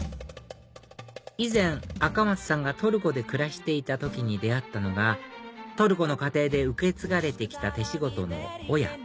以前赤松さんがトルコで暮らしていた時に出会ったのがトルコの家庭で受け継がれて来た手仕事のオヤ